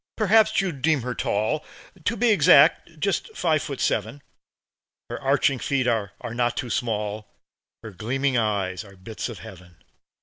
Perhaps you'd deem her tall To be exact, just five feet seven. Her arching feet are not too small; Her gleaming eyes are bits of heaven.